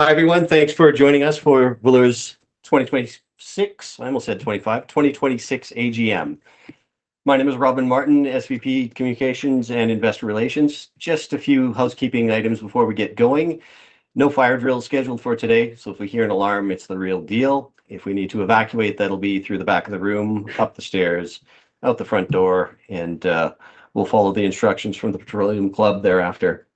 Hi, everyone. Thanks for joining us for Valeura's 2026, I almost said 2025, 2026 AGM. My name is Robin Martin, SVP Communications and Investor Relations. Just a few housekeeping items before we get going. No fire drills scheduled for today, if we hear an alarm, it's the real deal. If we need to evacuate, that'll be through the back of the room, up the stairs, out the front door, we'll follow the instructions from the Petroleum Club thereafter.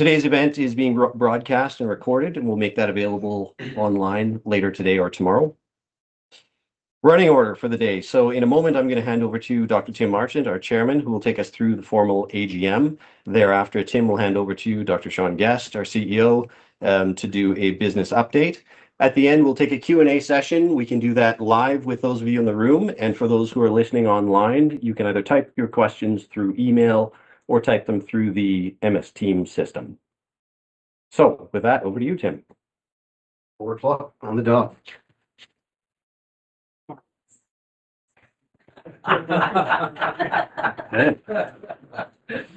Today's event is being broadcast and recorded; we'll make that available online later today or tomorrow. Running order for the day. In a moment, I'm gonna hand over to Dr. Tim Marchant, our chairman, who will take us through the formal AGM. Thereafter, Tim will hand over to you, Dr. Sean Guest, our CEO, to do a business update. At the end, we'll take a Q&A session. We can do that live with those of you in the room, and for those who are listening online, you can either type your questions through email or type them through the MS Team system. With that, over to you, Tim. 4 o'clock on the dot. Hey.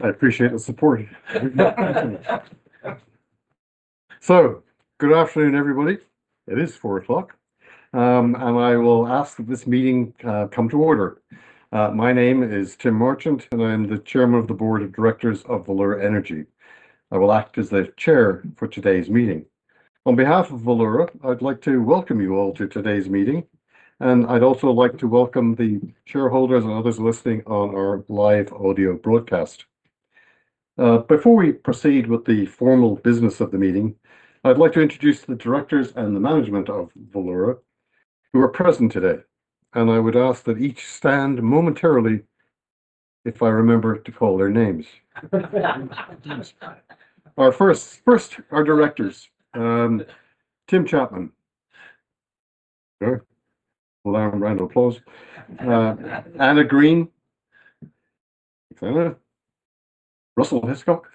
I appreciate the support. Good afternoon, everybody. It is 4 o'clock. I will ask that this meeting come to order. My name is Tim Marchant, and I'm the Chairman of the Board of Directors of Valeura Energy. I will act as the chair for today's meeting. On behalf of Valeura, I'd like to welcome you all to today's meeting, and I'd also like to welcome the shareholders and others listening on our live audio broadcast. Before we proceed with the formal business of the meeting, I'd like to introduce the directors and the management of Valeura who are present today, and I would ask that each stand momentarily if I remember to call their names. Our first, our directors. Tim Chapman. There. Round of applause. Anna Green. Anna. Russell Hiscock.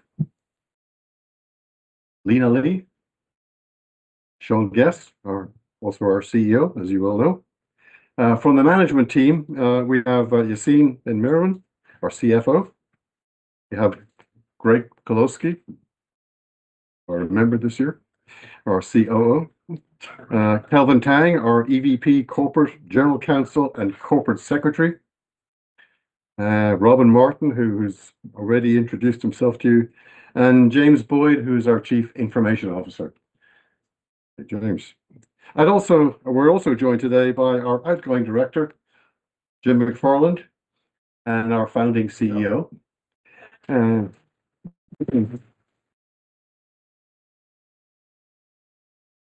Lina Lee. Sean Guest, also our CEO, as you well know. From the management team, we have Yacine Ben-Meriem, our CFO. We have Grzegorz Kulawski, our member this year, our COO. Kelvin Tang, our EVP Corporate General Counsel and Corporate Secretary. Robin James Martin, who's already introduced himself to you, and James Boyd, who's our Chief Information Officer. Get your names. Also, we're also joined today by our outgoing director, Jim McFarland, and our founding CEO, and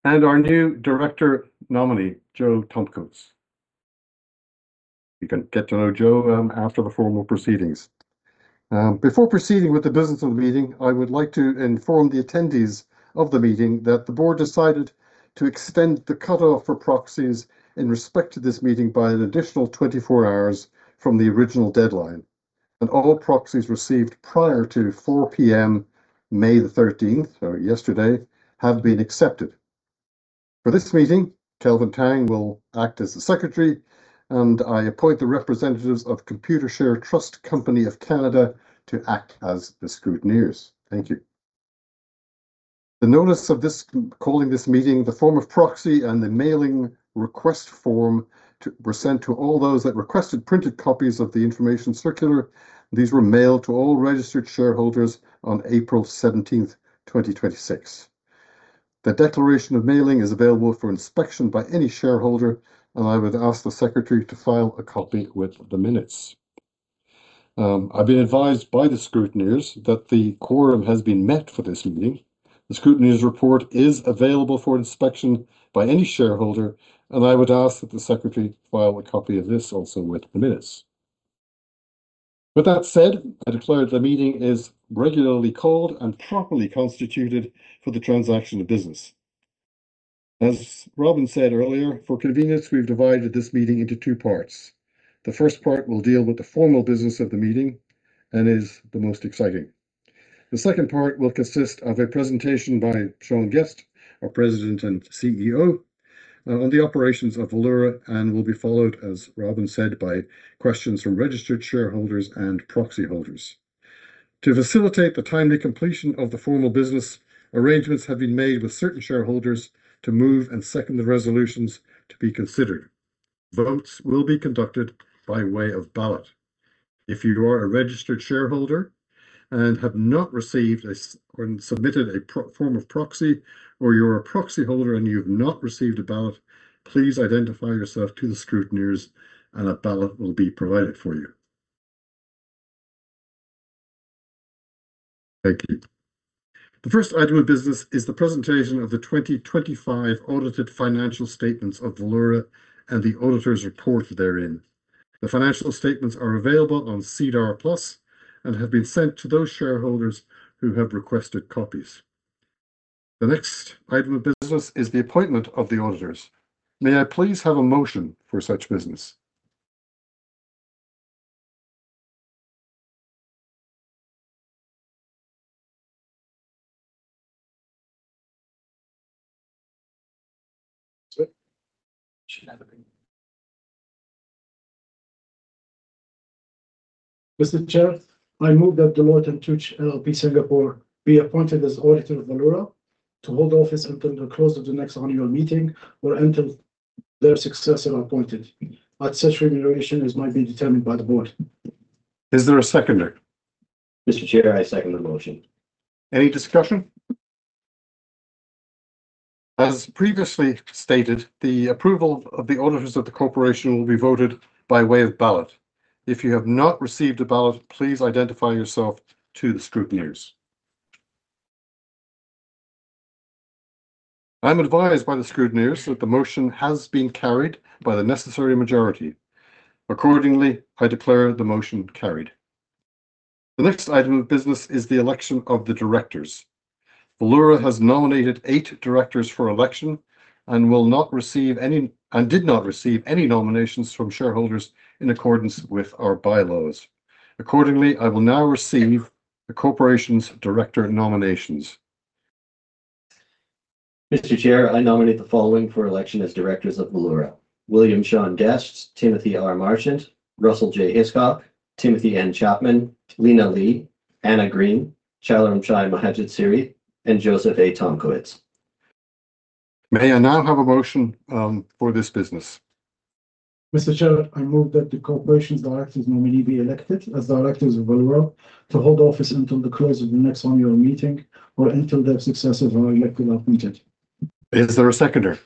our new director nominee, Joseph Tomkiewicz. You can get to know Joe after the formal proceedings. Before proceeding with the business of the meeting, I would like to inform the attendees of the meeting that the board decided to extend the cutoff for proxies in respect to this meeting by an additional 24 hours from the original deadline, and all proxies received prior to 4:00 P.M., May the 13th, or yesterday, have been accepted. For this meeting, Kelvin Tang will act as the secretary, and I appoint the representatives of Computershare Trust Company of Canada to act as the scrutineers. Thank you. The notice of this, calling this meeting, the form of proxy and the mailing request form to, were sent to all those that requested printed copies of the information circular. These were mailed to all registered shareholders on April 17th, 2026. The declaration of mailing is available for inspection by any shareholder, and I would ask the secretary to file a copy with the minutes. I've been advised by the scrutineers that the quorum has been met for this meeting. The scrutineers report is available for inspection by any shareholder, and I would ask that the secretary file a copy of this also with the minutes. With that said, I declare the meeting is regularly called and properly constituted for the transaction of business. As Robin said earlier, for convenience, we've divided this meeting into two parts. The first part will deal with the formal business of the meeting and is the most exciting. The second part will consist of a presentation by Sean Guest, our President and CEO, on the operations of Valeura and will be followed, as Robin said, by questions from registered shareholders and proxy holders. To facilitate the timely completion of the formal business, arrangements have been made with certain shareholders to move and second the resolutions to be considered. Votes will be conducted by way of ballot. If you are a registered shareholder and have not received or submitted a form of proxy, or you're a proxy holder and you've not received a ballot, please identify yourself to the scrutineers and a ballot will be provided for you. Thank you. The first item of business is the presentation of the 2025 audited financial statements of Valeura and the auditors report therein. The financial statements are available on SEDAR+ and have been sent to those shareholders who have requested copies. The next item of business is the appointment of the auditors. May I please have a motion for such business? Should have been. Mr. Chair, I move that Deloitte & Touche LLP Singapore be appointed as auditor of Valeura Energy to hold office until the close of the next annual meeting or until their successor appointed at such remuneration as might be determined by the board. Is there a seconder? Mr. Chair, I second the motion. Any discussion? As previously stated, the approval of the auditors of the corporation will be voted by way of ballot. If you have not received a ballot, please identify yourself to the scrutineers. I'm advised by the scrutineers that the motion has been carried by the necessary majority. Accordingly, I declare the motion carried. The next item of business is the election of the directors. Valeura has nominated eight directors for election and did not receive any nominations from shareholders in accordance with our bylaws. Accordingly, I will now receive the corporation's director nominations. Mr. Chair, I nominate the following for election as directors of Valeura: William Sean Guest, Timothy R. Marchant, Russell J. Hiscock, Timothy N. Chapman, Lina Lee, Anna Green, Chalermchai Mahagitsiri, and Joseph A. Tomkiewicz. May I now have a motion, for this business? Mr. Chair, I move that the corporation's directors nominee be elected as directors of Valeura to hold office until the close of the next annual meeting or until their successors are elected or appointed. Is there a seconder?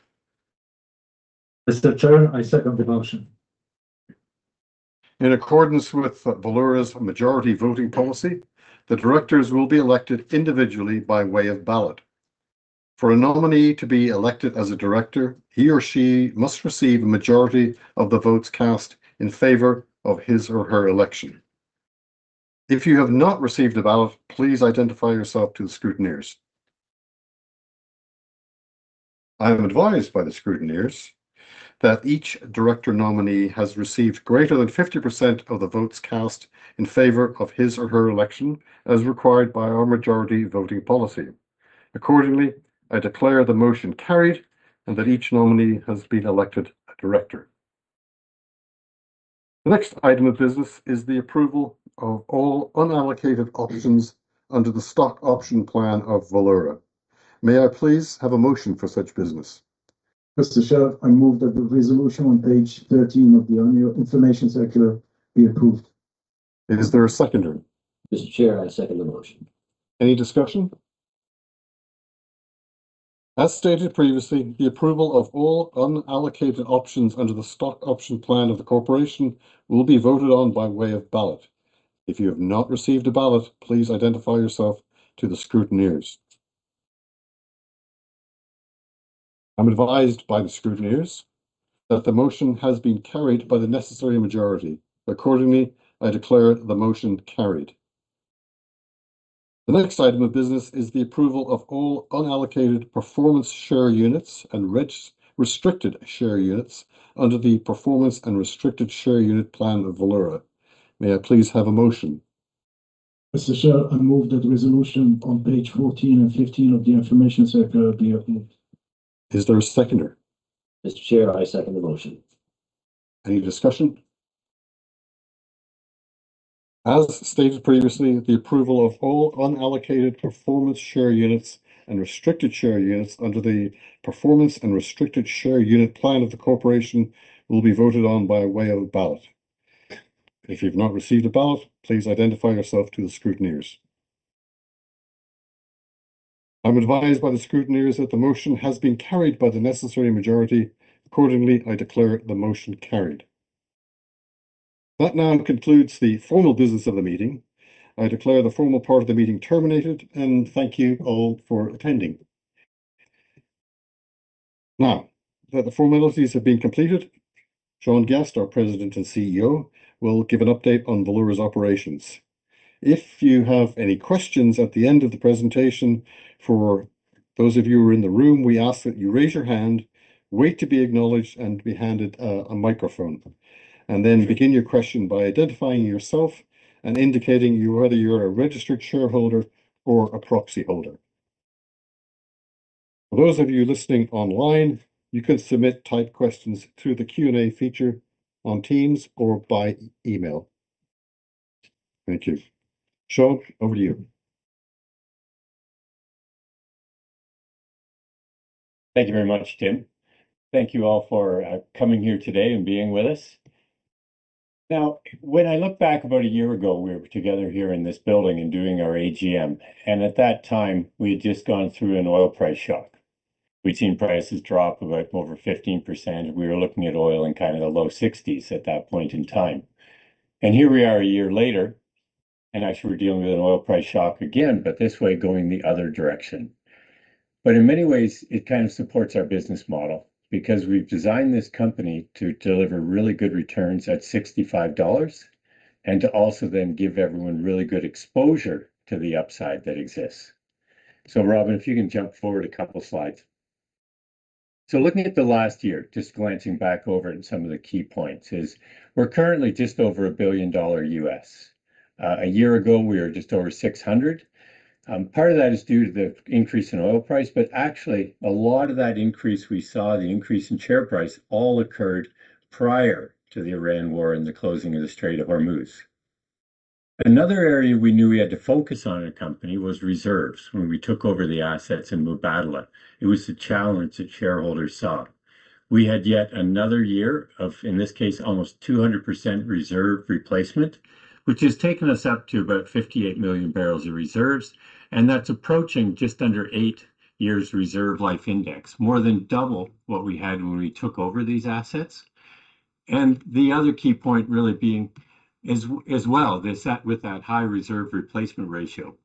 Mr. Chair, I second the motion. In accordance with Valeura's majority voting policy, the directors will be elected individually by way of ballot. For a nominee to be elected as a director, he or she must receive a majority of the votes cast in favor of his or her election. If you have not received a ballot, please identify yourself to the scrutineers. I am advised by the scrutineers that each director nominee has received greater than 50% of the votes cast in favor of his or her election, as required by our majority voting policy. Accordingly, I declare the motion carried and that each nominee has been elected a director. The next item of business is the approval of all unallocated options under the stock option plan of Valeura. May I please have a motion for such business? Mr. Chair, I move that the resolution on page 13 of the annual information circular be approved. Is there a seconder? Mr. Chair, I second the motion. Any discussion? As stated previously, the approval of all unallocated options under the stock option plan of the corporation will be voted on by way of ballot. If you have not received a ballot, please identify yourself to the scrutineers. I am advised by the scrutineers that the motion has been carried by the necessary majority. Accordingly, I declare the motion carried. The next item of business is the approval of all unallocated performance share units and re-restricted share units under the performance and restricted share unit plan of Valeura. May I please have a motion? Mr. Chair, I move that resolution on page 14 and 15 of the information circulars be approved. Is there a seconder? Mr. Chair, I second the motion. Any discussion? As stated previously, the approval of all unallocated performance share units and restricted share units under the performance and restricted share unit plan of the corporation will be voted on by way of ballot. If you've not received a ballot, please identify yourself to the scrutineers. I'm advised by the scrutineers that the motion has been carried by the necessary majority. Accordingly, I declare the motion carried. That now concludes the formal business of the meeting. I declare the formal part of the meeting terminated and thank you all for attending. Now that the formalities have been completed, Sean Guest, our President and CEO, will give an update on Valeura's operations. If you have any questions at the end of the presentation, for those of you who are in the room, we ask that you raise your hand, wait to be acknowledged and be handed a microphone, and then begin your question by identifying yourself and indicating you, whether you're a registered shareholder or a proxy holder. For those of you listening online, you can submit typed questions through the Q&A feature on Teams or by email. Thank you. Sean, over to you. Thank you very much, Tim. Thank you all for coming here today and being with us. When I look back about a year ago, we were together here in this building and doing our AGM, and at that time, we had just gone through an oil price shock. We'd seen prices drop about over 15%. We were looking at oil in kind of the low 60s at that point in time. Here we are a year later, and actually we're dealing with an oil price shock again, but this way going the other direction. In many ways, it kind of supports our business model because we've designed this company to deliver really good returns at $65 and to also then give everyone really good exposure to the upside that exists. Robin James Martin, if you can jump forward two slides. Looking at the last year, just glancing back over at some of the key points, is we're currently just over $1 billion. A year ago, we were just over $600. Part of that is due to the increase in oil price, but actually a lot of that increase we saw, the increase in share price, all occurred prior to the Iran war and the closing of the Strait of Hormuz. Another area we knew we had to focus on at company was reserves when we took over the assets in Mubadala. It was the challenge that shareholders saw. We had yet another year of, in this case, almost 200% reserve replacement, which has taken us up to about 58 million barrels of reserves, and that's approaching just under eight years reserve life index. More than double what we had when we took over these assets. The other key point really being as well is that with that high reserve replacement ratio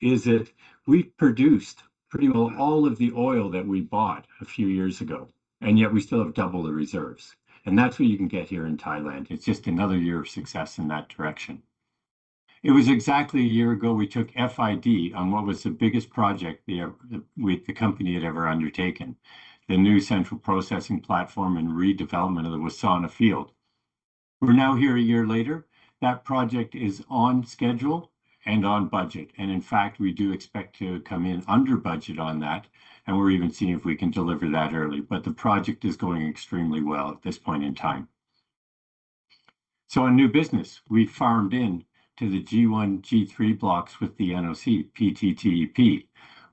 is that we've produced pretty well all of the oil that we bought a few years ago, yet we still have double the reserves. That's what you can get here in Thailand. It's just another year of success in that direction. It was exactly a year ago, we took FID on what was the biggest project the company had ever undertaken, the new central processing platform and redevelopment of the Wassana field. We're now here a year later. That project is on schedule and on budget. In fact, we do expect to come in under budget on that, and we're even seeing if we can deliver that early. The project is going extremely well at this point in time. On new business, we farmed in to the G1, G3 blocks with the NOC, PTTEP.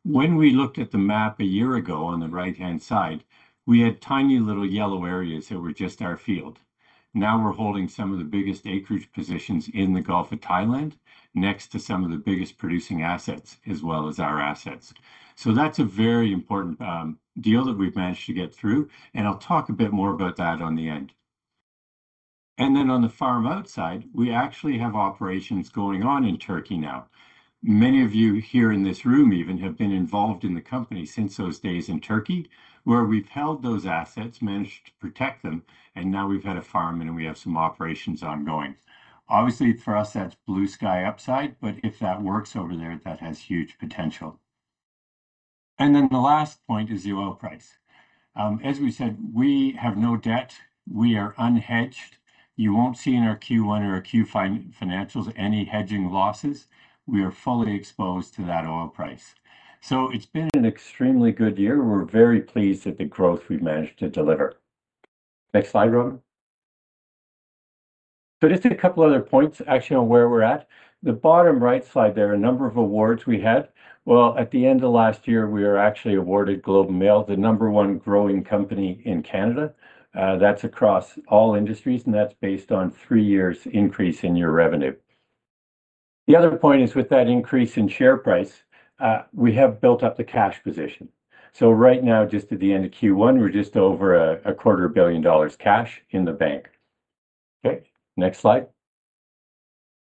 When we looked at the map one year ago on the right-hand side, we had tiny little yellow areas that were just our field. Now we're holding some of the biggest acreage positions in the Gulf of Thailand, next to some of the biggest producing assets as well as our assets. That's a very important deal that we've managed to get through, and I'll talk a bit more about that on the end. On the farm-out side, we actually have operations going on in Turkey now. Many of you here in this room even have been involved in the company since those days in Turkey, where we've held those assets, managed to protect them, and now we've had a farm and we have some operations ongoing. For us, that's blue sky upside, but if that works over there, that has huge potential. The last point is the oil price. As we said, we have no debt. We are unhedged. You won't see in our Q1 or our Q financials any hedging losses. We are fully exposed to that oil price. It's been an extremely good year. We're very pleased at the growth we've managed to deliver. Next slide, Robin James Martin. Just a couple other points actually on where we're at. The bottom right slide, there are a number of awards we had. At the end of last year, we were actually awarded The Globe and Mail, the number one growing company in Canada. That's across all industries, that's based on three years increase in your revenue. The other point is with that increase in share price; we have built up the cash position. Right now, just at the end of Q1, we're just over a quarter billion USD cash in the bank. Okay, next slide.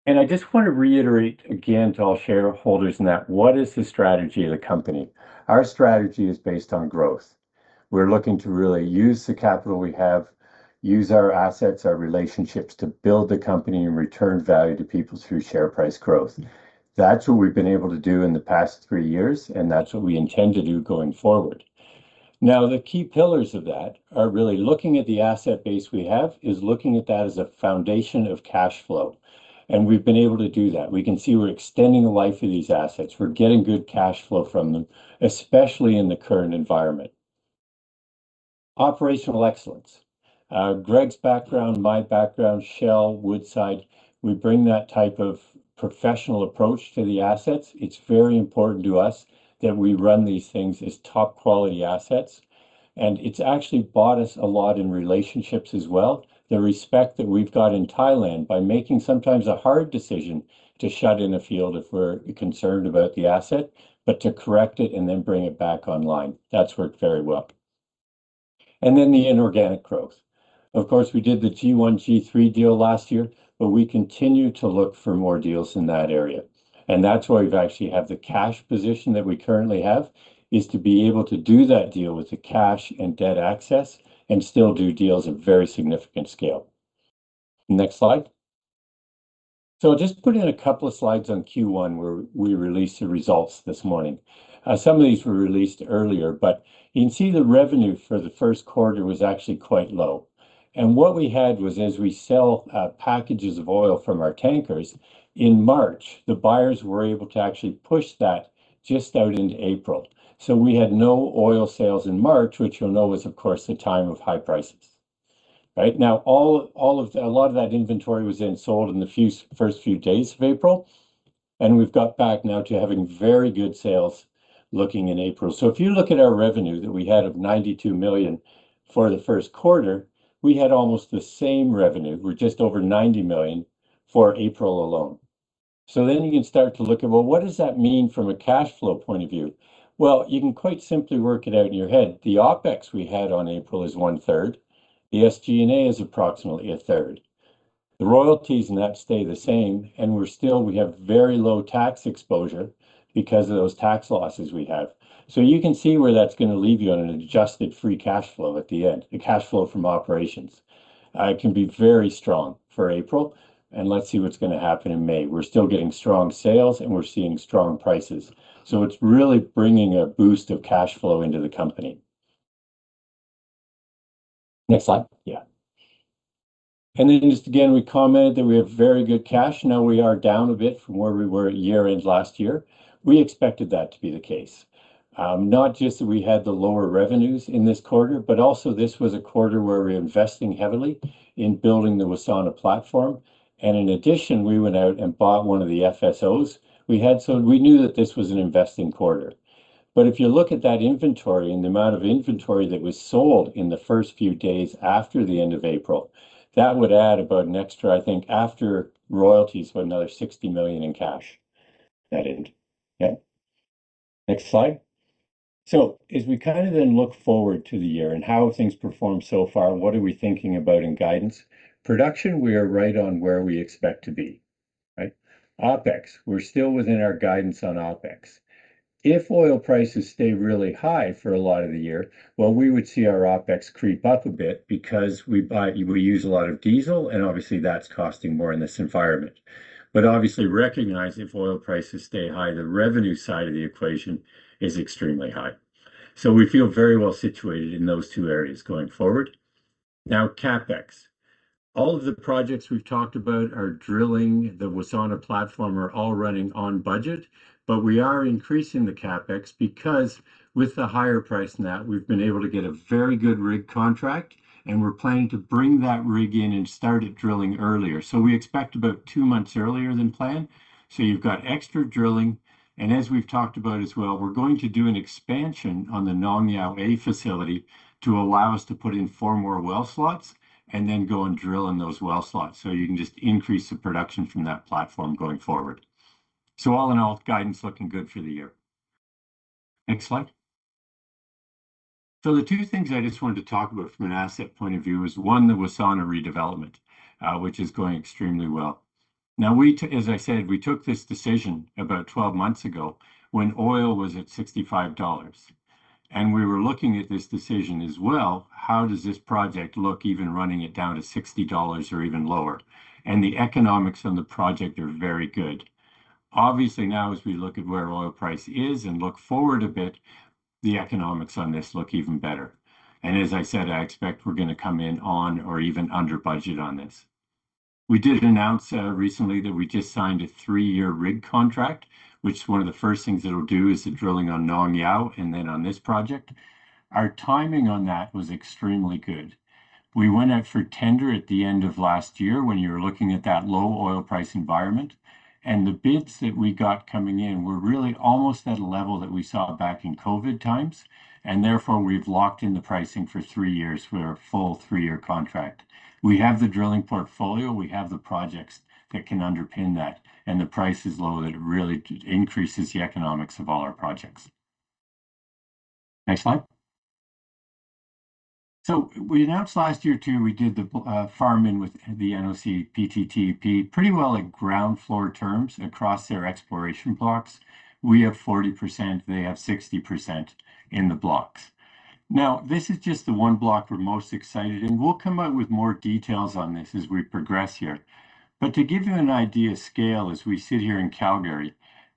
I just want to reiterate again to all shareholders in that what is the strategy of the company? Our strategy is based on growth. We're looking to really use the capital we have, use our assets, our relationships to build the company and return value to people through share price growth. That's what we've been able to do in the past three years, and that's what we intend to do going forward. The key pillars of that are really looking at the asset base we have, is looking at that as a foundation of cash flow. We've been able to do that. We can see we're extending the life of these assets. We're getting good cash flow from them, especially in the current environment. Operational excellence. Greg's background, my background, Shell, Woodside, we bring that type of professional approach to the assets. It's very important to us that we run these things as top quality assets, and it's actually bought us a lot in relationships as well. The respect that we've got in Thailand by making sometimes a hard decision to shut in a field if we're concerned about the asset, but to correct it and then bring it back online. That's worked very well. The inorganic growth. Of course, we did the G1, G3 deal last year, but we continue to look for more deals in that area. That's why we've actually have the cash position that we currently have, is to be able to do that deal with the cash and debt access and still do deals at very significant scale. Next slide. Just putting in a couple of slides on Q1 where we released the results this morning. Some of these were released earlier, but you can see the revenue for the first quarter was actually quite low. What we had was as we sell packages of oil from our tankers, in March, the buyers were able to actually push that just out into April. We had no oil sales in March, which you'll know was of course, the time of high prices. Right now, a lot of that inventory was then sold in the first few days of April, and we've got back now to having very good sales looking in April. If you look at our revenue that we had of $92 million for the first quarter, we had almost the same revenue. We're just over $90 million for April alone. You can start to look at, well, what does that mean from a cash flow point of view? Well, you can quite simply work it out in your head. The OpEx we had on April is one-third. The SG&A is approximately a third. The royalties in that stay the same. We have very low tax exposure because of those tax losses we have. You can see where that's gonna leave you on an adjusted free cash flow at the end. The cash flow from operations can be very strong for April. Let's see what's gonna happen in May. We're still getting strong sales. We're seeing strong prices. It's really bringing a boost of cash flow into the company. Next slide. Yeah. Just again, we commented that we have very good cash. Now we are down a bit from where we were at year-end last year. We expected that to be the case. Not just that we had the lower revenues in this quarter, but also this was a quarter where we're investing heavily in building the Wassana platform, and in addition, we went out and bought one of the FSOs we had. We knew that this was an investing quarter. If you look at that inventory and the amount of inventory that was sold in the first few days after the end of April, that would add about an extra, I think, after royalties, about another $60 million in cash at end. Okay. Next slide. As we kind of then look forward to the year and how have things performed so far, what are we thinking about in guidance? Production, we are right on where we expect to be. Right. OpEx, we're still within our guidance on OpEx. If oil prices stay really high for a lot of the year, well, we would see our OpEx creep up a bit because we use a lot of diesel, and obviously, that's costing more in this environment. Obviously, recognize if oil prices stay high, the revenue side of the equation is extremely high. We feel very well situated in those two areas going forward. Now, CapEx. All of the projects we've talked about, our drilling, the Wassana platform are all running on budget. We are increasing the CapEx because with the higher price net, we've been able to get a very good rig contract, and we're planning to bring that rig in and start it drilling earlier. We expect about two months earlier than planned. You've got extra drilling, and as we've talked about as well, we're going to do an expansion on the Nong Yao A facility to allow us to put in four more well slots and then go and drill in those well slots. You can just increase the production from that platform going forward. All in all, guidance looking good for the year. Next slide. The two things I just wanted to talk about from an asset point of view is, one, the Wassana redevelopment, which is going extremely well. Now, as I said, we took this decision about 12 months ago when oil was at $65, and we were looking at this decision as well, how does this project look even running it down to $60 or even lower? The economics on the project are very good. Obviously, now as we look at where oil price is and look forward a bit, the economics on this look even better. As I said, I expect we're gonna come in on or even under budget on this. We did announce recently that we just signed a three-year rig contract, which one of the first things it'll do is the drilling on Nong Yao and then on this project. Our timing on that was extremely good. We went out for tender at the end of last year when you were looking at that low oil price environment, the bids that we got coming in were really almost at a level that we saw back in COVID times, therefore, we've locked in the pricing for three years with our full three-year contract. We have the drilling portfolio. We have the projects that can underpin that, and the price is low, that it really increases the economics of all our projects. Next slide. We announced last year, too, we did the farm-in with the NOC PTTEP pretty well at ground floor terms across their exploration blocks. We have 40%, they have 60% in the blocks. Now, this is just the one block we're most excited, and we'll come out with more details on this as we progress here. To give you an idea of scale as we sit here in Calgary,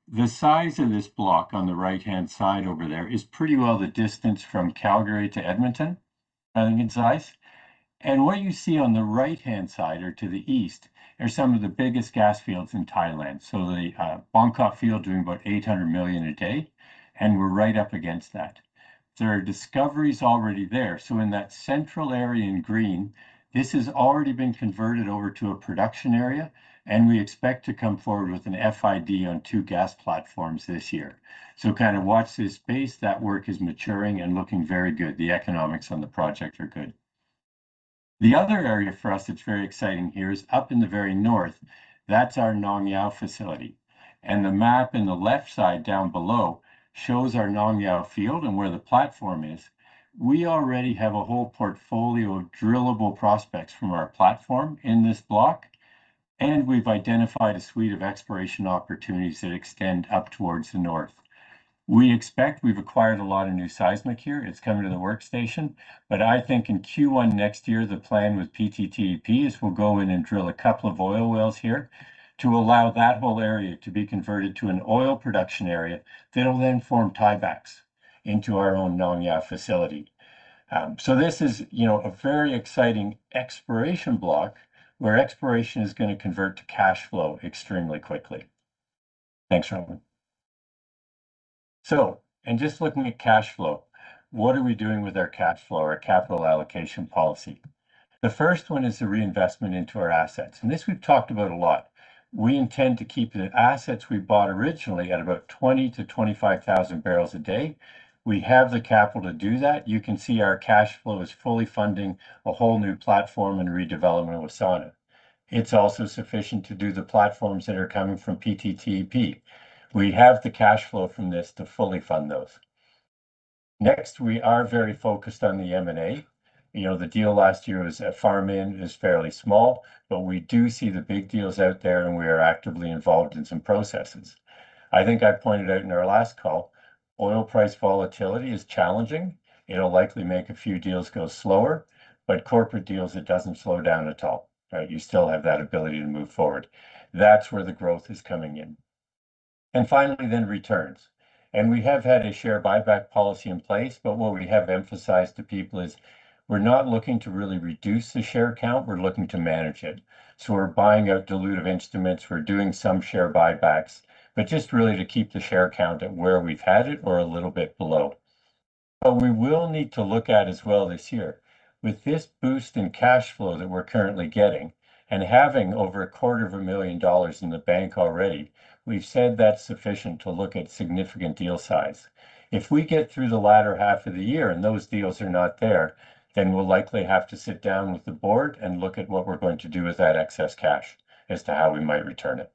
the size of this block on the right-hand side over there is pretty well the distance from Calgary to Edmonton, I think in size. What you see on the right-hand side or to the east are some of the biggest gas fields in Thailand. The Bongkot field doing about 800 million a day, and we're right up against that. There are discoveries already there. In that central area in green, this has already been converted over to a production area, and we expect to come forward with an FID on two gas platforms this year. Kind of watch this space. That work is maturing and looking very good. The economics on the project are good. The other area for us that's very exciting here is up in the very north. That's our Nong Yao facility. The map in the left side down below shows our Nong Yao field and where the platform is. We already have a whole portfolio of drillable prospects from our platform in this block, and we've identified a suite of exploration opportunities that extend up towards the north. We expect we've acquired a lot of new seismic here. It's coming to the workstation. I think in Q1 next year, the plan with PTTEP is we'll go in and drill a couple of oil wells here to allow that whole area to be converted to an oil production area that'll then form tiebacks into our own Nong Yao facility. This is, you know, a very exciting exploration block where exploration is gonna convert to cash flow extremely quickly. Thanks, Robin. In just looking at cash flow, what are we doing with our cash flow, our capital allocation policy? The first one is the reinvestment into our assets, and this we've talked about a lot. We intend to keep the assets we bought originally at about 20,000-25,000 barrels a day. We have the capital to do that. You can see our cash flow is fully funding a whole new platform and redevelopment of Wassana. It's also sufficient to do the platforms that are coming from PTTEP. We have the cash flow from this to fully fund those. We are very focused on the M&A. You know, the deal last year was a farm-in. It was fairly small, we do see the big deals out there, and we are actively involved in some processes. I think I pointed out in our last call, oil price volatility is challenging. It'll likely make a few deals go slower, corporate deals, it doesn't slow down at all. Right? You still have that ability to move forward. That's where the growth is coming in. Finally, then returns. We have had a share buyback policy in place, but what we have emphasized to people is we're not looking to really reduce the share count, we're looking to manage it. We're buying out dilutive instruments. We're doing some share buybacks, but just really to keep the share count at where we've had it or a little bit below. We will need to look at as well this year, with this boost in cash flow that we're currently getting and having over a quarter of a million dollars in the bank already, we've said that's sufficient to look at significant deal size. If we get through the latter half of the year and those deals are not there, we'll likely have to sit down with the board and look at what we're going to do with that excess cash as to how we might return it.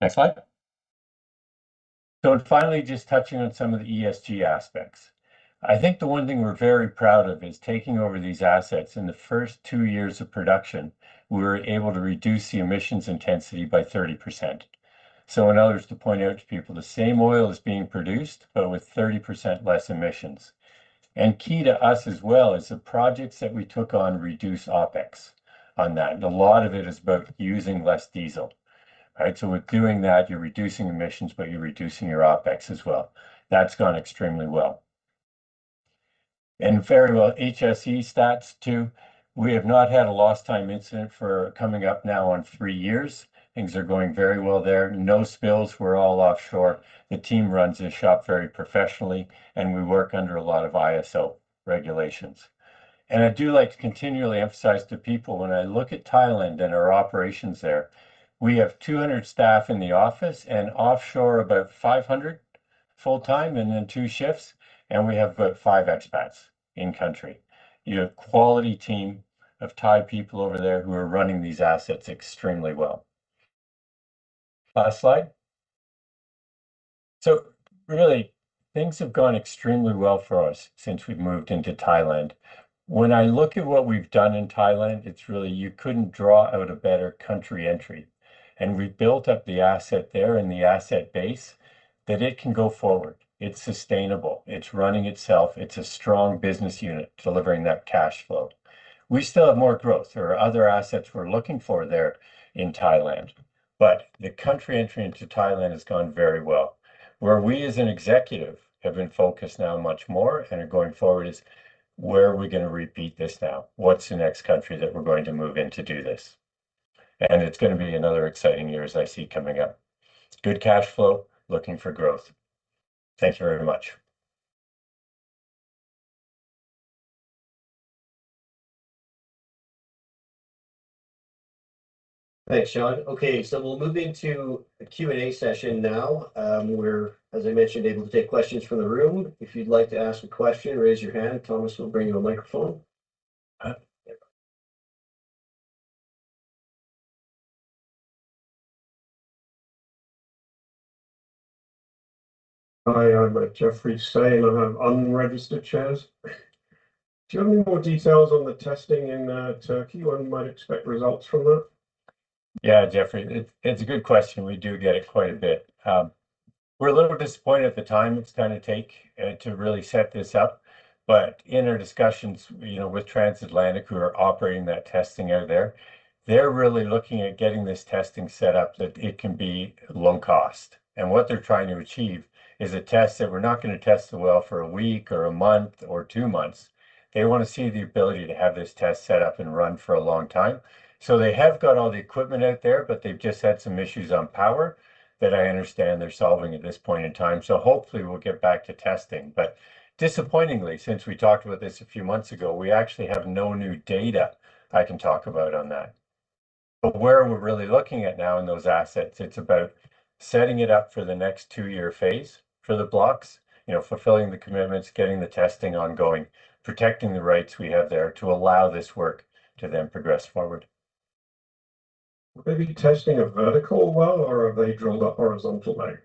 Next slide. Finally, just touching on some of the ESG aspects. I think the one thing we're very proud of is taking over these assets. In the first two years of production, we were able to reduce the emissions intensity by 30%. In other words, to point out to people, the same oil is being produced, but with 30% less emissions. Key to us as well is the projects that we took on reduce OpEx on that, and a lot of it is about using less diesel. All right, with doing that, you're reducing emissions, but you're reducing your OpEx as well. That's gone extremely well. Very well HSE stats too. We have not had a lost time incident for coming up now on three years. Things are going very well there. No spills. We're all offshore. The team runs the shop very professionally, and we work under a lot of ISO regulations. I do like to continually emphasize to people when I look at Thailand and our operations there, we have 200 staff in the office and offshore about 500 full-time, and then two shifts, and we have about five expats in country. You have quality team of Thai people over there who are running these assets extremely well. Last slide. Really, things have gone extremely well for us since we've moved into Thailand. When I look at what we've done in Thailand, it's really, you couldn't draw out a better country entry. We've built up the asset there and the asset base that it can go forward. It's sustainable. It's running itself. It's a strong business unit delivering that cash flow. We still have more growth. There are other assets we're looking for there in Thailand, but the country entry into Thailand has gone very well. Where we as an executive have been focused now much more and are going forward is where are we going to repeat this now? What's the next country that we're going to move in to do this? It's going to be another exciting year as I see coming up. Good cash flow, looking for growth. Thank you very much. Thanks, Sean. Okay, we'll move into a Q&A session now. We're, as I mentioned, able to take questions from the room. If you'd like to ask a question, raise your hand. Thomas will bring you a microphone. Hi, I'm Stuart Jeffery of Unregistered Shares. Do you have any more details on the testing in Turkey? When might expect results from that? Yeah, Jeffery. It's a good question. We're a little disappointed at the time it's going to take to really set this up. In our discussions, you know, with TransAtlantic, who are operating that testing out there, they're really looking at getting this testing set up that it can be low cost. What they're trying to achieve is a test that we're not going to test the well for a week or a month or two months. They wanna see the ability to have this test set up and run for a long time. They have got all the equipment out there, but they've just had some issues on power that I understand they're solving at this point in time. Hopefully we'll get back to testing. Disappointingly, since we talked about this a few months ago, we actually have no new data I can talk about on that. Where we're really looking at now in those assets, it's about setting it up for the next two-year phase for the blocks. You know, fulfilling the commitments, getting the testing ongoing, protecting the rights we have there to allow this work to then progress forward. Will they be testing a vertical well, or have they drilled a horizontal one?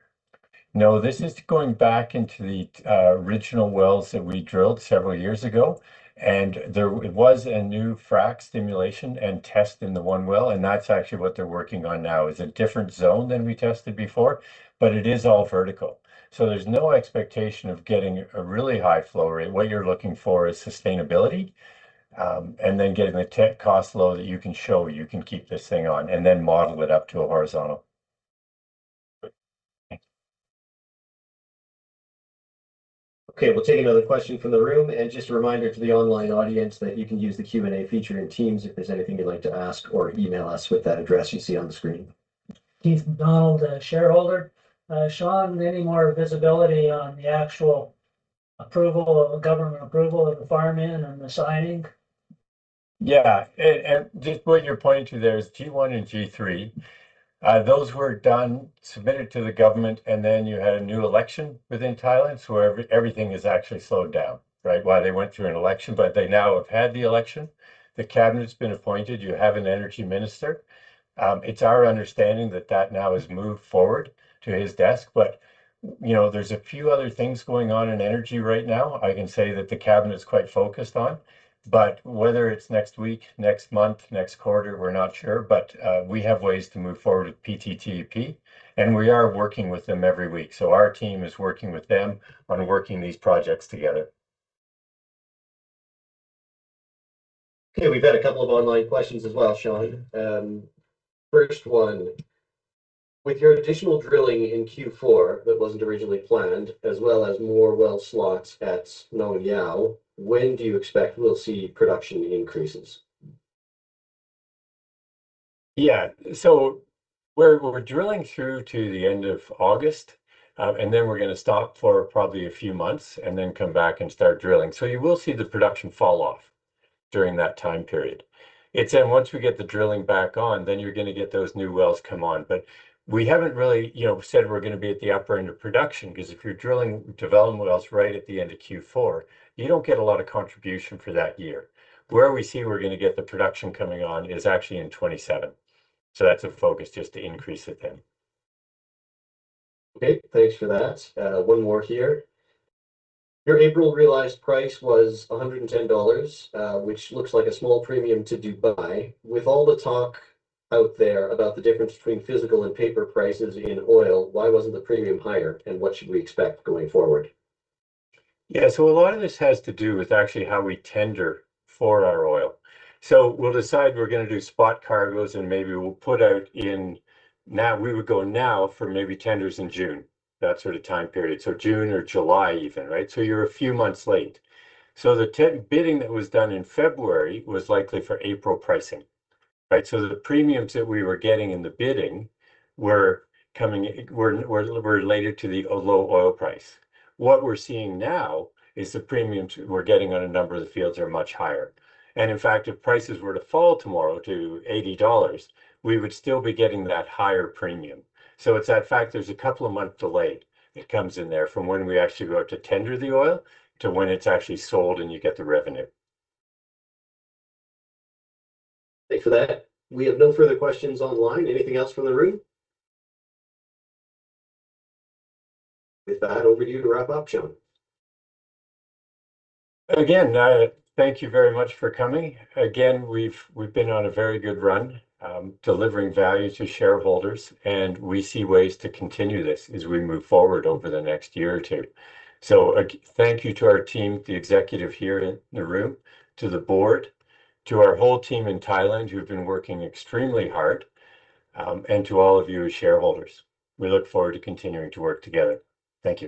No, this is going back into the original wells that we drilled several years ago. It was a new frack stimulation and test in the one well. That's actually what they're working on now. It's a different zone than we tested before. It is all vertical. There's no expectation of getting a really high flow rate. What you're looking for is sustainability, then getting the cost low that you can show you can keep this thing on, then model it up to a horizontal. Great. Thank you. Okay, we'll take another question from the room. Just a reminder to the online audience that you can use the Q&A feature in Teams if there's anything you'd like to ask or email us with that address you see on the screen. Keith McDonald, a shareholder. Sean Guest, any more visibility on the actual approval or government approval of the farm-in and the signing? Yeah. Just what you're pointing to there is G1 and G3. Those were done, submitted to the government, you had a new election within Thailand, everything is actually slowed down, right? While they went through an election, they now have had the election. The cabinet's been appointed. You have an energy minister. It's our understanding that that now has moved forward to his desk, you know, there's a few other things going on in energy right now I can say that the cabinet's quite focused on. Whether it's next week, next month, next quarter, we're not sure, we have ways to move forward with PTTEP, we are working with them every week. Our team is working with them on working these projects together. We've had a couple of online questions as well, Sean. First one, with your additional drilling in Q4 that wasn't originally planned, as well as more well slots at Nong Yao, when do you expect we'll see production increases? Yeah. We're drilling through to the end of August, we're going to stop for probably a few months, come back and start drilling. You will see the production fall off during that time period. Once we get the drilling back on, you're going to get those new wells come on. We haven't really, you know, said we're going to be at the upper end of production, because if you're drilling development wells right at the end of Q4, you don't get a lot of contribution for that year. Where we see we're going to get the production coming on is actually in 2027, that's a focus just to increase it then. Okay. Thanks for that. One more here. Your April realized price was $110, which looks like a small premium to Dubai. With all the talk out there about the difference between physical and paper prices in oil, why wasn't the premium higher, and what should we expect going forward? Yeah. A lot of this has to do with actually how we tender for our oil. We'll decide we're gonna do spot cargoes. We would go now for maybe tenders in June, that sort of time period. June or July even, right? You're a few months late. The bidding that was done in February was likely for April pricing, right? The premiums that we were getting in the bidding were related to the low oil price. What we're seeing now is the premiums we're getting on a number of the fields are much higher. In fact, if prices were to fall tomorrow to $80, we would still be getting that higher premium. It's that fact there's a two month delay that comes in there from when we actually go out to tender the oil to when it's actually sold and you get the revenue. Thanks for that. We have no further questions online. Anything else from the room? With that, over to you to wrap up, Sean. Again, thank you very much for coming. We've been on a very good run, delivering value to shareholders, and we see ways to continue this as we move forward over the next year or two. A thank you to our team, the executive here in the room, to the Board, to our whole team in Thailand who have been working extremely hard, and to all of you as shareholders. We look forward to continuing to work together. Thank you.